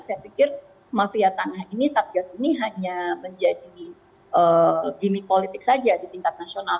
saya pikir mafia tanah ini satgas ini hanya menjadi gimmick politik saja di tingkat nasional